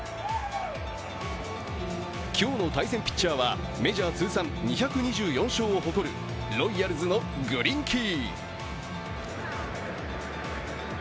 今日の対戦ピッチャーはメジャー通算２２４勝を誇るロイヤルズのグリンキー。